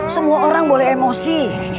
semua orang boleh emosi